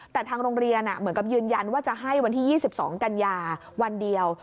แต่ทางโรงเรียนเหมือนกับยืนยันว่าจะให้วันที่๒๒กันยาวันเดียว